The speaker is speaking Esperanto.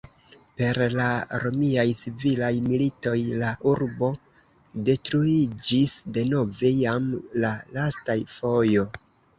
Per la Romiaj Civilaj Militoj la urbo detruiĝis denove, jam la lasta fojo.